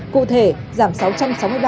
cụ thể giảm sáu trăm linh triệu